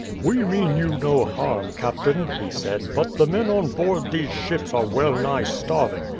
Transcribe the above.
"We mean you no harm, captain," he said; "but the men on board these ships are well nigh starving.